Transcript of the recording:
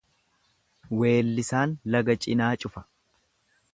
Weellisaan laga cinaa cufa.